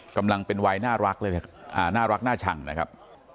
กำลังเป็นวัยน่ารักเลยนะครับน่ารักน่าชังนะครับ